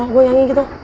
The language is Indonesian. manual gue nyanyi gitu